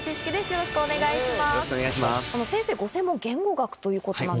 よろしくお願いします。